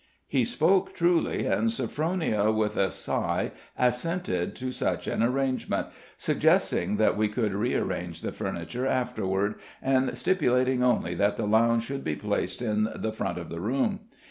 He spoke truly; and Sophronia, with a sigh, assented to such an arrangement, suggesting that we could rearrange the furniture afterward, and stipulating only that the lounge should be placed in the front of the room.